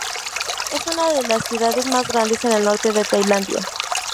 Es una de las ciudades más grandes en el norte de Tailandia.